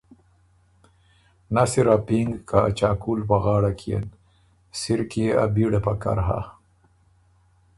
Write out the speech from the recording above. نس اِر ا پینګ که ا چاقُول په غاړه کيېن، سِر کی يې ا بیړه پکر هۀ۔